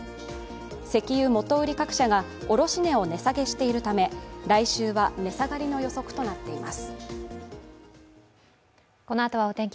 石油元売各社が卸値を値下げしているため来週は値下がりの予測となっています。